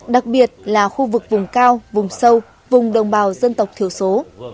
đặc biệt là khu vực vùng cao vùng sâu vùng đồng bào dân tộc thiểu số